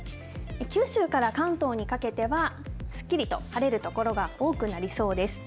九州から関東にかけては、すっきりと晴れる所が多くなりそうです。